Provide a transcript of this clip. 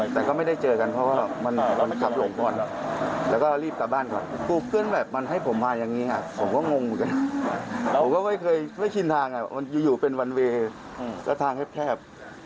แต่ไม่ได้มีอาการมืนเมาใช่ไหมครับ